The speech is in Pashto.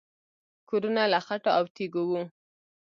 کورونه له خټو او تیږو وو